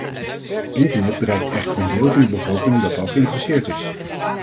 Internet bereikt echter een deel van de bevolking dat al geïnteresseerd is.